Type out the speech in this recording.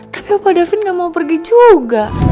tapi pak davin gak mau pergi juga